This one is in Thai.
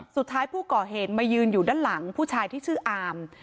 สุดท้ายผู้ก่อเหตุมายืนอยู่ด้านหลังผู้ชายที่ชื่ออาม